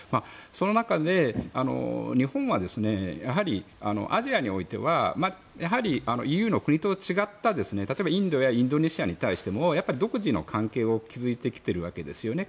その中で日本はやはりアジアにおいてはＥＵの国と違った、例えばインドやインドネシアに対しても独自の関係を築いてきているわけですよね。